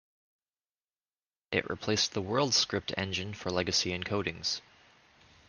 It replaced the WorldScript engine for legacy encodings.